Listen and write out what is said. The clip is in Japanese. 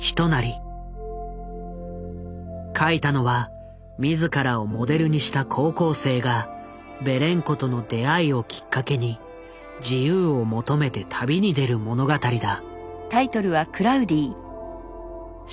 書いたのは自らをモデルにした高校生がベレンコとの出会いをきっかけに自由を求めて旅に出る物語だ。